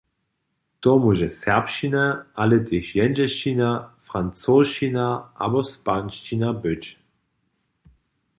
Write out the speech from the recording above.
To móže serbšćina, ale tež jendźelšćina, francošćina abo španišćina być.